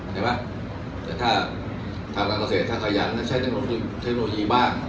ใช่ไหมแต่ถ้าทางการเกษตรถ้าขยันใช้ในเทคโนโลยีบ้าง